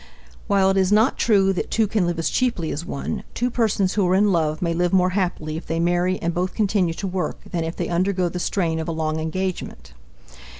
While it is not true that two can live as cheaply as one, two persons who are in love may live more happily if they marry and both continue to work than if they undergo the strain of a long engagement.